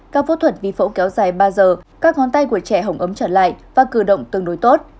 các phẫu thuật vì phẫu kéo dài ba giờ các ngón tay của trẻ hồng ấm trở lại và cử động tương đối tốt